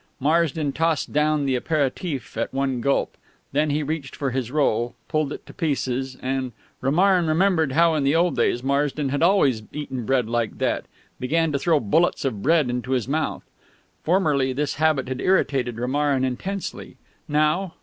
Marsden tossed down the apéritif at one gulp; then he reached for his roll, pulled it to pieces, and Romarin remembered how in the old days Marsden had always eaten bread like that began to throw bullets of bread into his mouth. Formerly this habit had irritated Romarin intensely; now